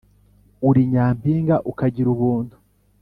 uri nyampinga ukagira ubuntu